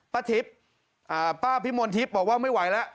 ป้าทิพย์ป้าพิมลทิพย์บอกว่าไม่ไหวแล้ว